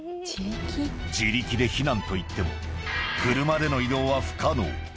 自力で避難といっても車での移動は不可能。